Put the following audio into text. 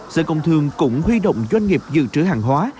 sở công thương cũng huy động doanh nghiệp dự trữ hàng hóa